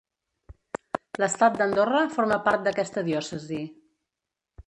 L'estat d'Andorra forma part d'aquesta diòcesi.